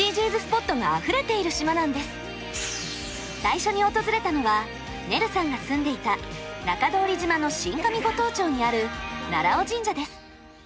最初に訪れたのはねるさんが住んでいた中通島の新上五島町にある奈良尾神社です。